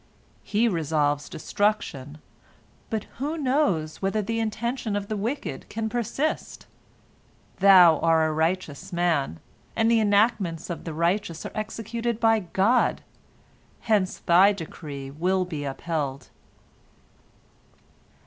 He resolves destruction, but who knows whether the intention of the wicked can persist? Thou art a righteous man, and the enactments of the righteous are executed by God, hence thy decree will be upheld."